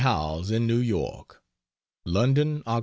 Howells, in New York: LONDON, Oct.